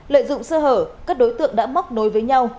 lợi dụng sơ hở các đối tượng đã móc nối với nhau